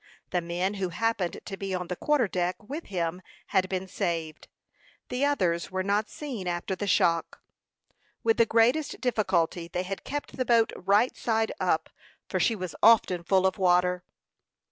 The men who happened to be on the quarter deck with him had been saved; the others were not seen after the shock. With the greatest difficulty they had kept the boat right side up, for she was often full of water.